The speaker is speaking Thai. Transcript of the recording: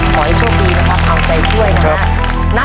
ขอให้โชคดีนะครับเอาใจช่วยนะฮะ